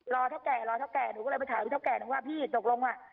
เท่าแก่รอเท่าแก่หนูก็เลยไปถามพี่เท่าแก่นึงว่าพี่ตกลงอ่ะ